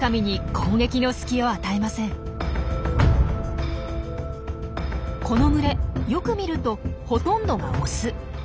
この群れよく見るとほとんどがオス。